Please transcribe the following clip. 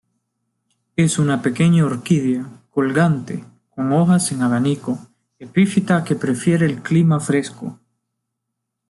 Es una pequeña orquídea, colgante, con hojas en abanico, epífita que prefiere el clima fresco.